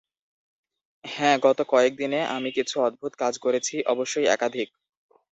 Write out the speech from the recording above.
হ্যাঁ, গত কয়েক দিনে আমি কিছু অদ্ভুত কাজ করেছি, অবশ্যই একাধিক।